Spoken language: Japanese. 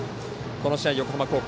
この試合、横浜高校